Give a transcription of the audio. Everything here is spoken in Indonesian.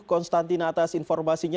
konstantina atas informasinya